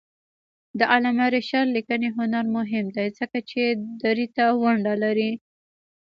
د علامه رشاد لیکنی هنر مهم دی ځکه چې دري ته ونډه لري.